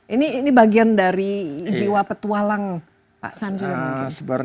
ini ini bagian dari jiwa petualang pak sam juga mungkin